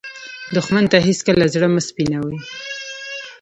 دښمن ته هېڅکله زړه مه سپينوې